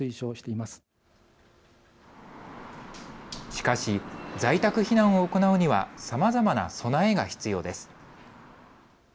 しかし在宅避難を行うにはさまざまな備えが必要です。